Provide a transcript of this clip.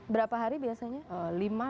berapa hari biasanya